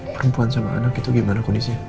perempuan sama anak itu gimana kondisinya